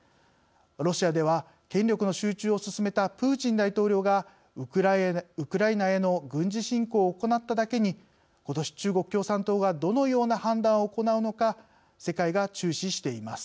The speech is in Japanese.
ロシアでは、権力の集中を進めたプーチン大統領がウクライナへの軍事侵攻を行っただけにことし、中国共産党がどのような判断を行うのか世界が注視しています。